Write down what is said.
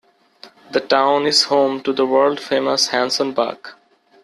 The town is home to the world-famous Hanson Buck.